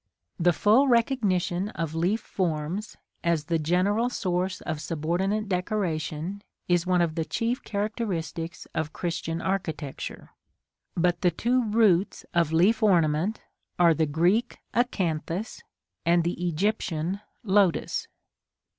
The full recognition of leaf forms, as the general source of subordinate decoration, is one of the chief characteristics of Christian architecture; but the two roots of leaf ornament are the Greek acanthus, and the Egyptian lotus.